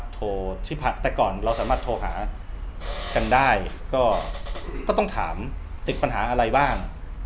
แต่ก่อนเราสามารถโทรหากันได้ก็ต้องถามอีกปัญหาอะไรบ้าง